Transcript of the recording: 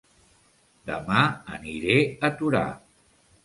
Dema aniré a Torà